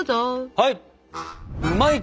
はい！